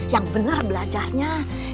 yang benar belajarnya